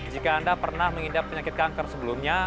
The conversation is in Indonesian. jika anda pernah mengidap penyakit kanker sebelumnya